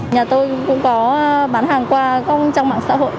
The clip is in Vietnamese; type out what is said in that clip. nhà tôi cũng có bán hàng qua trang mạng xã hội